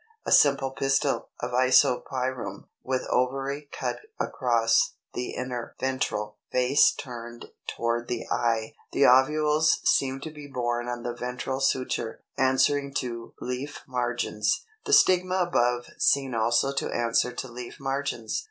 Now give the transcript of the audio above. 324. A simple pistil (of Isopyrum), with ovary cut across; the inner (ventral) face turned toward the eye: the ovules seem to be borne on the ventral suture, answering to leaf margins: the stigma above seen also to answer to leaf margins.